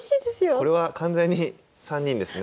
これは完全に３人ですね。